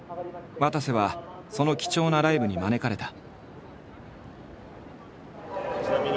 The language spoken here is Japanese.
わたせはその貴重なライブに招かれた。